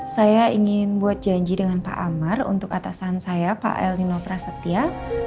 saya ingin buat janji dengan pak amar untuk atasan saya pak el nino prasetya